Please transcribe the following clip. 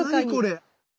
これ。